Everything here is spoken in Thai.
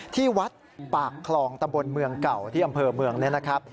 ที่วัดปากคลองตำบลเมืองเก่าที่อำเภอเมืองเนี่ยนะครับ